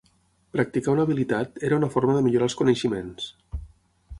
Practicar una habilitat era una forma de millorar els coneixements.